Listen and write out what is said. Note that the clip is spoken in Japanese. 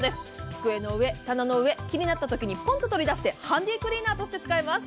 机の上、棚の上気になったときに取り出してハンディクリーナーとして使えます。